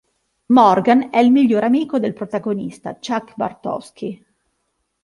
Morgan è il migliore amico del protagonista, Chuck Bartowski.